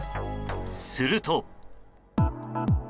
すると。